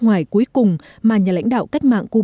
ngoài cuối cùng mà nhà lãnh đạo của chủ tịch nước trần đại quang